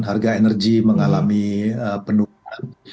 harga energi mengalami penurunan